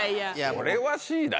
これはＣだよ。